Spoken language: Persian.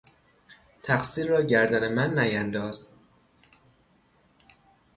تقصیر را گردن من نینداز!